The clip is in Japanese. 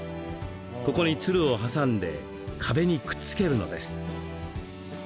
ここに、つるを挟んで壁に、くっつけるのです。